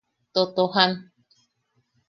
Totojan.